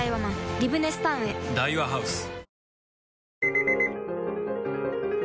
リブネスタウンへ・ハハハ！